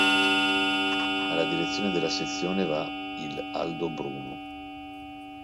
Alla direzione della sezione va il Aldo Bruno.